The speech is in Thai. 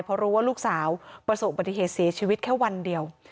เพราะรู้ว่าลูกสาวประสบปฏิเหตุเสียชีวิตแค่วันเดียว